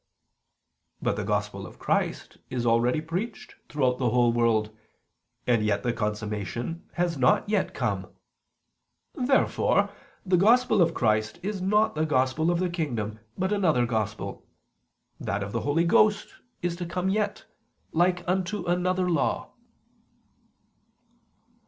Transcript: But the Gospel of Christ is already preached throughout the whole world: and yet the consummation has not yet come. Therefore the Gospel of Christ is not the Gospel of the kingdom, but another Gospel, that of the Holy Ghost, is to come yet, like unto another Law.